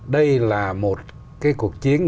đây là một cái cuộc chiến